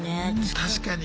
確かに。